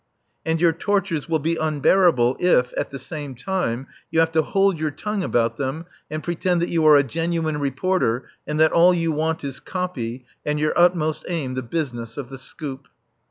And your tortures will be unbearable if, at the same time, you have to hold your tongue about them and pretend that you are a genuine reporter and that all you want is copy and your utmost aim the business of the "scoop."